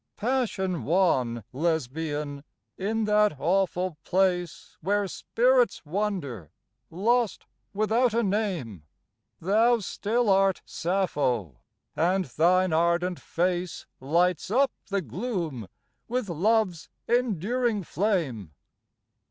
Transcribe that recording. Passion wan Lesbian, in that awful place Where spirits wander lost without a name Thou still art Sappho, and thine ardent face Lights up the gloom with love's enduring flame.